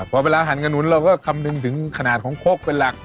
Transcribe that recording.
พอเวลาหั่นขนุนเราก็คำนึงถึงขนาดของคกเป็นหลัก